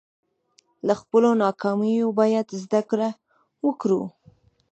له خپلو ناکامیو باید زده کړه وکړو.